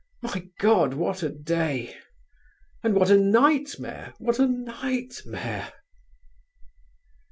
My God, what a day! And what a nightmare, what a nightmare!"